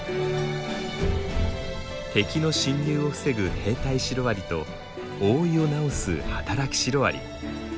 敵の侵入を防ぐ兵隊シロアリと覆いを直す働きシロアリ。